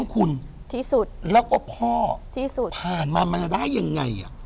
คุณที่สุดแล้วก็พ่อที่สุดผ่านมามันจะได้ยังไงอ่ะ